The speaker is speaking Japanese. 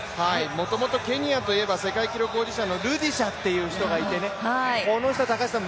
もともとケニアといえば世界記録保持者のルディシャという選手がいてこの人、高橋さん